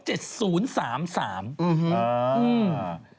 อื้อฮือ